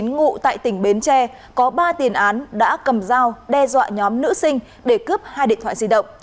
ngụ tại tỉnh bến tre có ba tiền án đã cầm dao đe dọa nhóm nữ sinh để cướp hai điện thoại di động